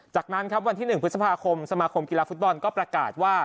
จากนั้นครับวันที่๑พฤษภาคมสมาคมกีฬาฟุตบอลก็ประกาศว่า